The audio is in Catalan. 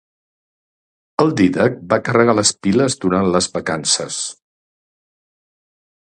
El Dídac va carregar les piles durant les vacances.